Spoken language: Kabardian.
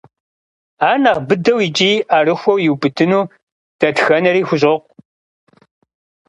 Ар нэхъ быдэу икӏи ӏэрыхуэу иубыдыну дэтхэнэри хущӏокъу.